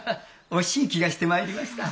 惜しい気がしてまいりました。